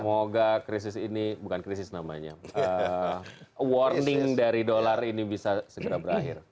semoga krisis ini bukan krisis namanya warning dari dolar ini bisa segera berakhir